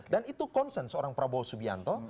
dan itu konsen seorang prabowo subianto